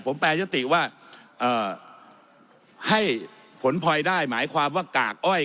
ผมแปรยติว่าให้ผลพลอยได้หมายความว่ากากอ้อย